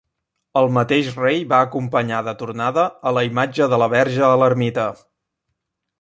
El mateix rei va acompanyar de tornada a la imatge de la verge a l'ermita.